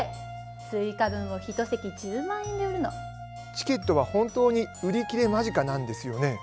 チケットは本当に売り切れ間近なんですよね？